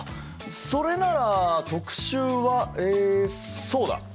それなら特集はえそうだ！